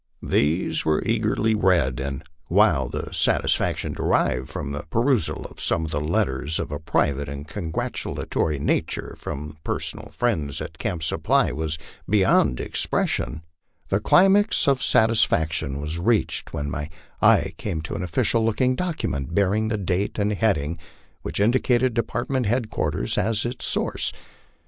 These were eagerly read, and while the satisfac tion derived from the perusal of some of the letters of a private and congratu latory nature from personal friends at Camp Supply was beyond expression, the climax of satisfaction was reached when my eye came to an official look ing document bearing the date and heading which indicated department head quarters as its source.